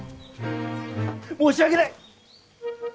申し訳ない！